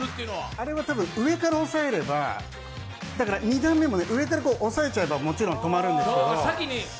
あれは上から押さえれば２段目も上から押さえちゃえばもちろん止まるんですけれども。